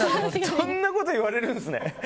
そんなこと言われるんですね。